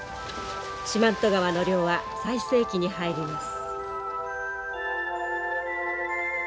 四万十川の漁は最盛期に入ります。